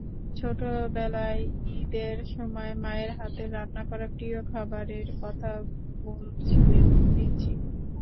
ছোটবেলায় ঈদের সময় মায়ের হাতের রান্না করা প্রিয় খাবারের কথা বলছিলেন রিচি।